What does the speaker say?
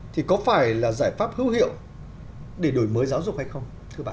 thì có phải là giải pháp hữu hiệu để đổi mới giáo dục hay không ạ